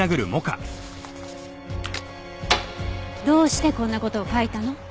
どうしてこんな事を書いたの？